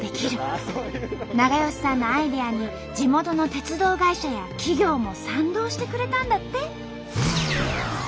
永芳さんのアイデアに地元の鉄道会社や企業も賛同してくれたんだって。